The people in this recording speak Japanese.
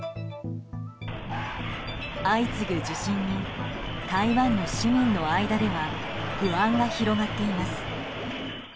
相次ぐ地震に台湾の市民の間では不安が広がっています。